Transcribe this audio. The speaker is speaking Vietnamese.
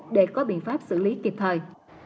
để có biện pháp xử lý kịp thời